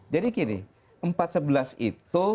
jadi gini empat sebelas itu